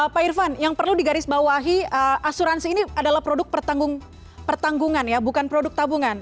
pak irfan yang perlu digarisbawahi asuransi ini adalah produk pertanggungan ya bukan produk tabungan